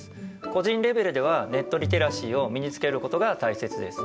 個人レベルではネットリテラシーを身につけることが大切です。